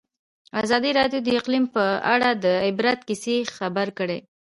ازادي راډیو د اقلیم په اړه د عبرت کیسې خبر کړي.